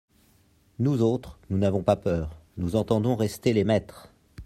Nous autres, nous n'avons pas peur, nous entendons rester les maîtres.